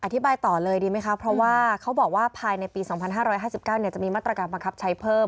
อธิบายต่อเลยดีไหมคะเพราะว่าเขาบอกว่าภายในปี๒๕๕๙จะมีมาตรการบังคับใช้เพิ่ม